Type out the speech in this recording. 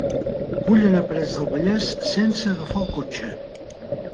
Vull anar a Parets del Vallès sense agafar el cotxe.